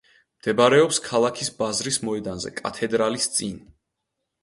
მდებარეობს ქალაქის ბაზრის მოედანზე, კათედრალის წინ.